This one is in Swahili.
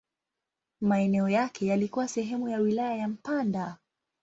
Maeneo yake yalikuwa sehemu ya wilaya ya Mpanda.